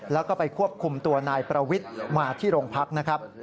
แล้วก็ไปควบคุมตัวนายประวิทย์มาที่โรงพักนะครับ